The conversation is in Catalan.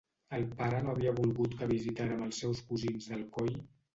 El pare no havia volgut que visitàrem els seus cosins d'Alcoi...